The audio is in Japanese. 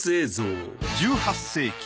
１８世紀。